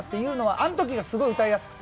あのときがすごい歌いやすくて。